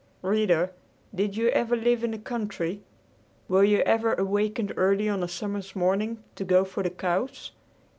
Reader, did you ever live in the country? Were you ever awakened early on a summer's morning to "go for the cows"?